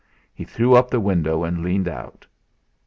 He threw up the window and leaned out.